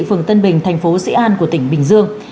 phường tân bình thành phố sĩ an của tỉnh bình dương